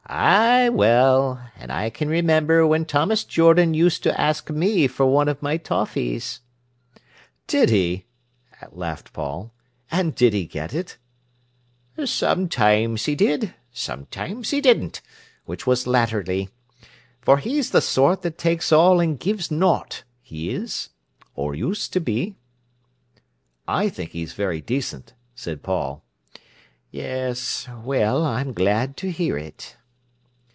"Ay, well, and I can remember when Thomas Jordan used to ask me for one of my toffies." "Did he?" laughed Paul. "And did he get it?" "Sometimes he did, sometimes he didn't—which was latterly. For he's the sort that takes all and gives naught, he is—or used to be." "I think he's very decent," said Paul. "Yes; well, I'm glad to hear it."